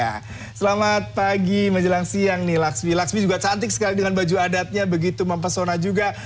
ya selamat pagi menjelang siang nih laksmi laksmi juga cantik sekali dengan baju adatnya begitu mempesona juga